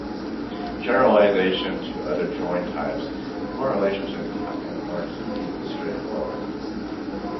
Generalization to other join types, more relations and more keys is straightforward.